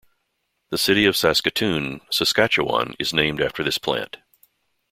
The city of Saskatoon, Saskatchewan is named after this plant.